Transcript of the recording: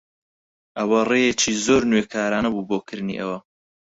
ئەوە ڕێیەکی زۆر نوێکارانە بوو بۆ کردنی ئەوە.